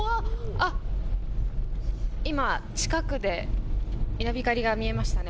今、近くで稲光が見えましたね。